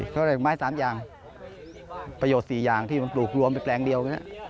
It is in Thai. เขาเรียกไม้๓อย่างประโยชน์๔อย่างที่มันปลูกรวมไปแปลงเดียว